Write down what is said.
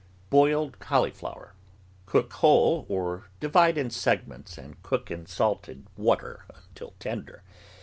BOILED CAULIFLOWER Cook whole, or divide in segments and cook in salted water until tender.